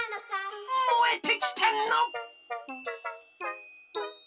もえてきたの！